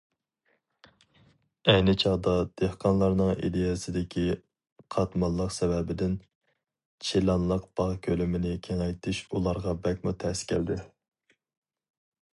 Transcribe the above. ئەينى چاغدا دېھقانلارنىڭ ئىدىيەسىدىكى قاتماللىق سەۋەبىدىن، چىلانلىق باغ كۆلىمىنى كېڭەيتىش ئۇلارغا بەكمۇ تەس كەلدى.